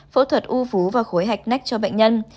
phẫu thuật u phú và khối hạch nách cho bệnh nhân